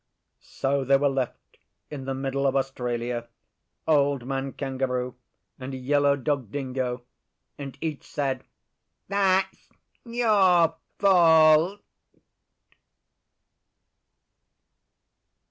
So they were left in the middle of Australia, Old Man Kangaroo and Yellow Dog Dingo, and each said, 'That's your fault.